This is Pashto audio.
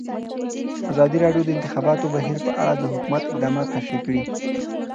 ازادي راډیو د د انتخاباتو بهیر په اړه د حکومت اقدامات تشریح کړي.